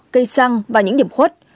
cây xăng và những điểm khuất